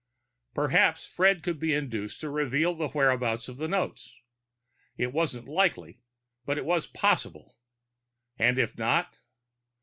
Perhaps Fred could be induced to reveal the whereabouts of the notes. It wasn't likely, but it was possible. And if not?